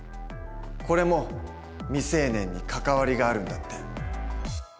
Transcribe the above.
これも未成年に関わりがあるんだって。